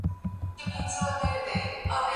هغه څوک چي قلمان پاکوي منظم وي؟!